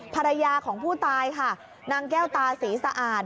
ภรรยาของผู้ตายค่ะนางแก้วตาศรีสะอาด